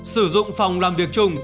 sử dụng phòng làm việc chung